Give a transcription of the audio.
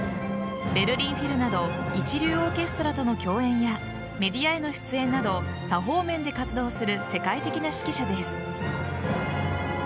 ベルリンフィルなど一流オーケストラとの共演やメディアへの出演など多方面で活動する世界的な指揮者です。